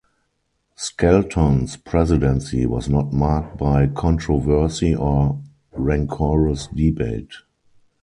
Skelton’s presidency was not marked by controversy or rancorous debate.